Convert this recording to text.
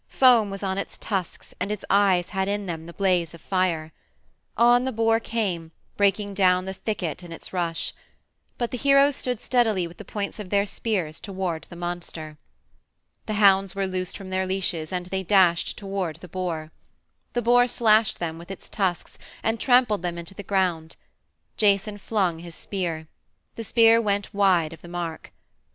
Foam was on its tusks, and its eyes had in them the blaze of fire. On the boar came, breaking down the thicket in its rush. But the heroes stood steadily with the points of their spears toward the monster. The hounds were loosed from their leashes and they dashed toward the boar. The boar slashed them with its tusks and trampled them into the ground. Jason flung his spear. The spear went wide of the mark.